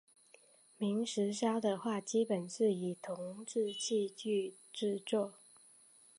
明石烧的话基本上是以铜制器具制作。